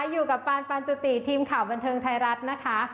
อยู่กับปานปานจุติทีมข่าวบันเทิงไทยรัฐนะคะ